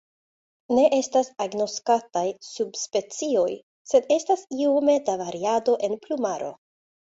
Ne estas agnoskataj subspecioj sed estas iome da variado en plumaro.